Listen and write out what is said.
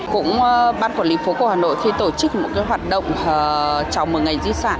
cũng ban quản lý phố cổ hà nội khi tổ chức một hoạt động chào mừng ngày di sản